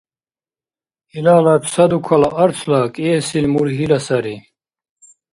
Илала ца дукала арцла, кӀиэсил – мургьила сари.